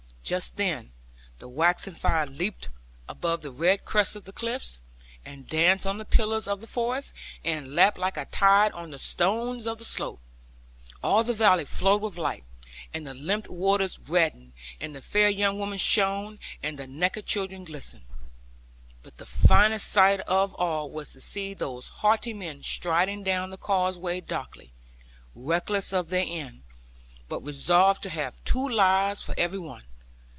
Just then the waxing fire leaped above the red crest of the cliffs, and danced on the pillars of the forest, and lapped like a tide on the stones of the slope. All the valley flowed with light, and the limpid waters reddened, and the fair young women shone, and the naked children glistened. But the finest sight of all was to see those haughty men striding down the causeway darkly, reckless of their end, but resolute to have two lives for every one.